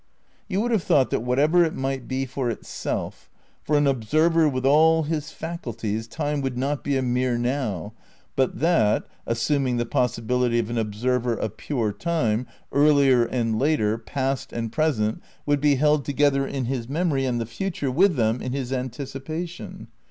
You would have thought that whatever it might be for itself, for an observer with all his faculties Time would not be a mere now, but that (assuming the pos sibility of an observer of pure Time) earlier and later, past and present, would be held together in his memory and the future with them in his anticipation.